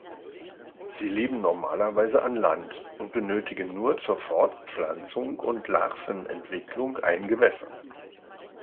Sie leben normalerweise an Land und benötigen nur zur Fortpflanzung und Larvenentwicklung ein Gewässer.